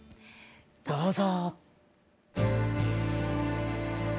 どうぞ。